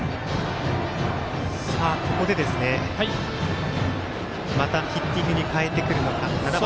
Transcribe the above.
ここで、またヒッティングに変えてくるのか。